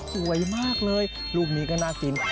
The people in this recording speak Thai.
สวยมากเลยรูปนี้ก็น่ากิน